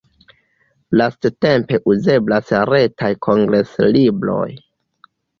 Lastatempe uzeblas retaj kongreslibroj.